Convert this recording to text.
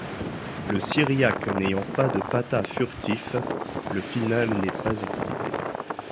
Le syriaque n'ayant pas de pataḥ furtif, le final n'est pas utilisé.